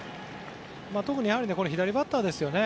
特に左バッターですね。